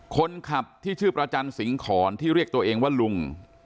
คนขับที่ชื่อประจันสิงหอนที่เรียกตัวเองว่าลุง